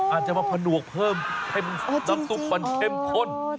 อาจจะมาผนวกเพิ่มน้ำซุปมันเข้มข้น